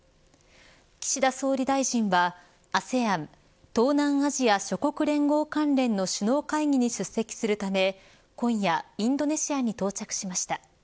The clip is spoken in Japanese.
岸田総理大臣はＡＳＥＡＮ＝東南アジア諸国連合関連の首脳会議に出席するため今夜インドネシアに到着しました。